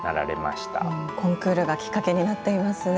コンクールがきっかけになっていますね。